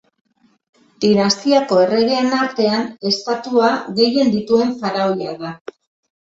Dinastiako erregeen artean, estatua gehien dituen faraoia da.